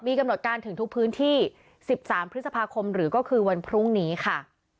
กำหนดการถึงทุกพื้นที่๑๓พฤษภาคมหรือก็คือวันพรุ่งนี้ค่ะ